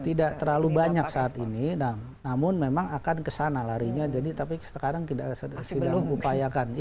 tidak terlalu banyak saat ini namun memang akan kesana larinya jadi tapi sekarang tidak mengupayakan